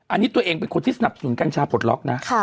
อันนี้ตัวเองเป็นคนที่สนับสนุนกัญชาปลดล็อกนะ